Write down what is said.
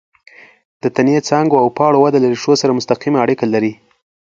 د تنې، څانګو او پاڼو وده له ریښو سره مستقیمه اړیکه لري.